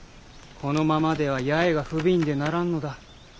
このままでは八重が不憫でならんのだ。